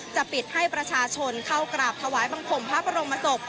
จะปิดให้ประชาชนเข้ากราบถวายบังคมพระบรมศพ